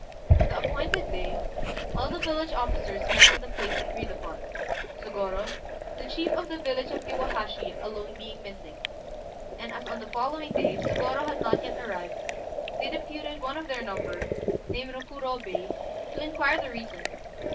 On the appointed day all the village officers met at the place agreed upon, Sôgorô, the chief of the village of Iwahashi, alone being missing; and as on the following day Sôgorô had not yet arrived, they deputed one of their number, named Rokurobei, to inquire the reason.